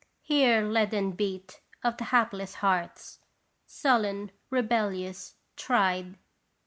Hear leaden beat of the hapless hearts, sullen, rebellious, tried.